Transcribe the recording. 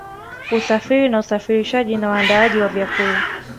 Usafiri na usafirishaji na waandaaji wa vyakula